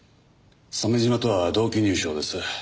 鮫島とは同期入省です。